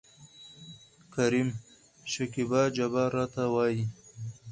کريم : شکيبا جبار راته وايي.